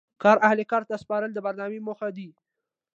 کار اهل کار ته سپارل د برنامې موخه دي.